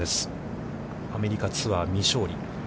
アメリカツアー、未勝利。